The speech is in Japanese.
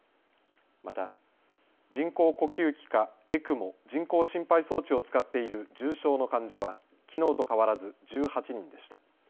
また人工呼吸器かＥＣＭＯ・人工心肺装置を使っている重症の患者はきのうと変わらず１８人でした。